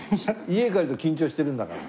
家に帰ると緊張してるんだから。